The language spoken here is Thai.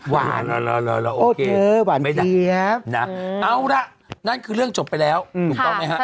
วานโอเจอวานเตี๊ยบนะเอาละนั่นคือเรื่องจบไปแล้วถูกต้องไหมครับ